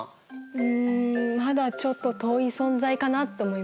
うんまだちょっと遠い存在かなと思います。